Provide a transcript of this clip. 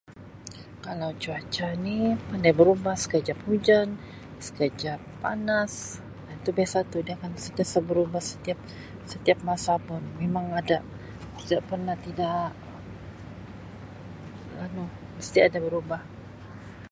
Kalau cuaca ni pandai berubah sekejap hujan, sekejap panas. Um Tu biasa tu, dia akan sentiasa berubah setiap-setiap masa pun. Memang ada, tida pernah tida anu mesti ada berubah.